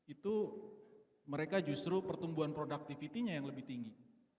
itu mereka justru pertumbuhan productivity nya yang lebih tinggi